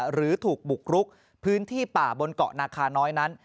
หรือถูกบุกรุกพื้นที่ป่าบนเกาะนาคาน้อยนั้น